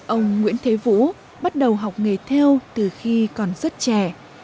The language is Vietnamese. ông nguyễn thế vũ bắt đầu học nghề theo từ khi còn rất trẻ